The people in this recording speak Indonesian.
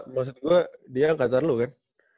maksud gue dia angkatan lu kan